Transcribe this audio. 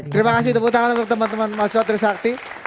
terima kasih tepuk tangan untuk teman teman mahasiswa trisakti